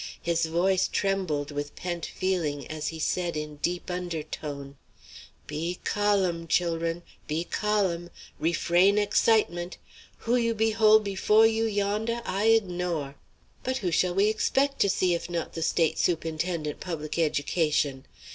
His voice trembled with pent feeling as he said in deep undertone: "Be callm, chil'run; be callm. Refrain excitement. Who you behole befo' you, yondeh, I ignore. But who shall we expect to see if not the State Sup'inten'ent Public Education?